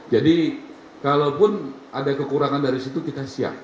jadi kalaupun ada kekurangan dari situ kita siap